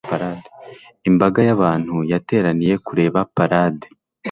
Imbaga y'abantu yateraniye kureba parade.